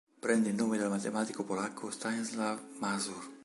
Prende il nome dal matematico polacco Stanisław Mazur.